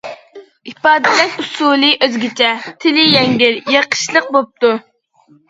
ئىپادىلەش ئۇسسۇلى ئۆزگىچە، تىلى يەڭگىل، يېقىشلىق بوپتۇ.